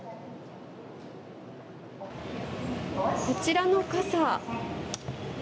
こちらの傘。